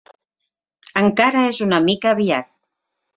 Encara és una mica aviat.